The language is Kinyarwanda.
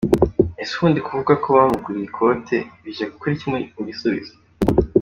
Ese ubundi, kuvuga ko, bamuguriye ikote, bije gukora iki mu gisubizo?